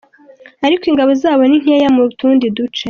Ariko ingabo zabo ni nkeye mu tundi duce.